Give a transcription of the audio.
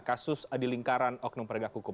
kasus di lingkaran oknum penegak hukum